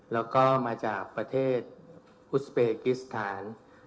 แล้วก็มาจากประเทศอุสเปกิสถาน